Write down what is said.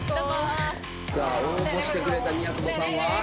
さあ応募してくれた宮久保さんは？